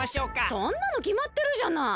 そんなのきまってるじゃない。